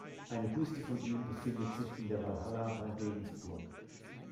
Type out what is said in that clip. Eine Büste von ihm befindet sich in der Walhalla bei Regensburg.